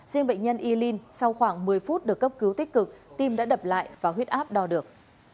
riêng bệnh nhân ilin sau khoảng một mươi phút được cấp cứu tích cực tim đã đập lại và huyết áp đo được